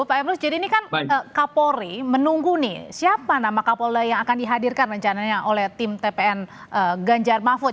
pak emrus jadi ini kan kapolri menunggu nih siapa nama kapolda yang akan dihadirkan rencananya oleh tim tpn ganjar mahfud